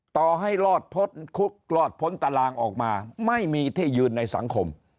ต่อให้ลอดพลตรางออกมาไม่มีที่ยืนในสังคม